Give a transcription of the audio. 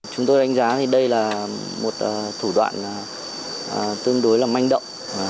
chúng tôi đánh giá thì đây là một thủ đoạn tương đối là manh động